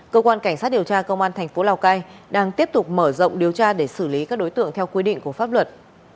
cơ quan cảnh sát điều tra cơ quan tp lào cai đang tiếp tục mở rộng điều tra để xử lý các đối tượng theo quy định của pháp luật